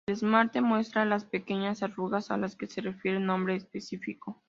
El esmalte muestra las pequeñas arrugas a las que se refiere el nombre específico.